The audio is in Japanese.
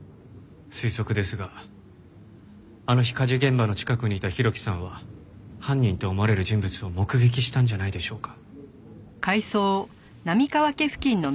推測ですがあの日火事現場の近くにいた浩喜さんは犯人と思われる人物を目撃したんじゃないでしょうか。